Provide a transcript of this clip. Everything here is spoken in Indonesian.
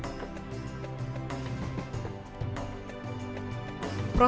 sampai jumpa di video selanjutnya